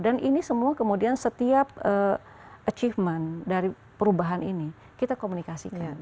dan ini semua kemudian setiap achievement dari perubahan ini kita komunikasikan